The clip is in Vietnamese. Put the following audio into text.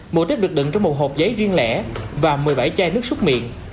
một tiếp được đựng trong một hộp giấy riêng lẻ và một mươi bảy chai nước súc miệng